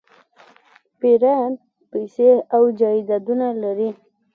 پیران پیسې او جایدادونه لري.